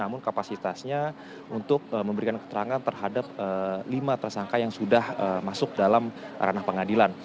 namun kapasitasnya untuk memberikan keterangan terhadap lima tersangka yang sudah masuk dalam ranah pengadilan